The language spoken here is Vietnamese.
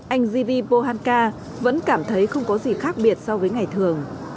anh zivi pohanka vẫn cảm thấy không có gì khác biệt so với ngày thường